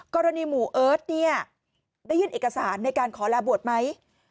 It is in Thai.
กรณีหมู่เอิร์ทเนี่ยได้ยื่นเอกสารในการขอลาบวชไหม